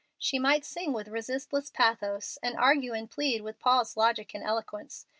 She might sing with resistless pathos, and argue and plead with Paul's logic and eloquence.